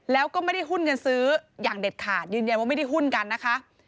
แล้วก็ไม่ได้หุ้นเงินซื้ออย่างเด็ดขาดยืนยันว่าไม่ได้หุ้นกันนะคะ